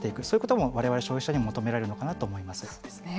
そういうこともわれわれ消費者に求められるのかなと思います。